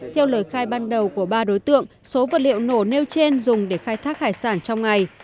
theo lời khai ban đầu của ba đối tượng số vật liệu nổ nêu trên dùng để khai thác hải sản trong ngày